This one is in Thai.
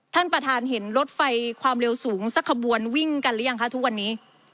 ท่านประธานเห็นรถไฟความเร็วสูงสักขบวนวิ่งกันหรือยังคะทุกวันนี้